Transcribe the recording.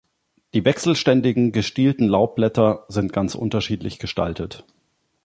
Die wechselständigen, gestielten Laubblätter sind ganz unterschiedlich gestaltet.